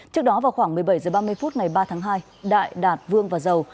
trước đó vào khoảng một mươi bảy h ba mươi phút ngày ba tháng hai đại đạt vương và giàu